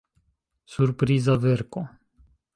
Surpriza verko!